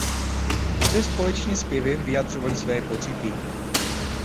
Zde společně zpěvem vyjadřovali své pocity.